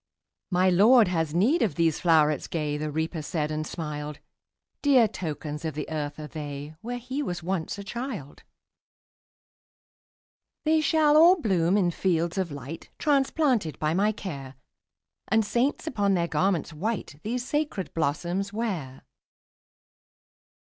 ``My Lord has need of these flowerets gay,'' The Reaper said, and smiled; ``Dear tokens of the earth are they, Where he was once a child. ``They shall all bloom in fields of light, Transplanted by my care, And saints, upon their garments white, These sacred blossoms wear.''